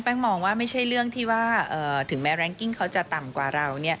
มองว่าไม่ใช่เรื่องที่ว่าถึงแม้แรงกิ้งเขาจะต่ำกว่าเรา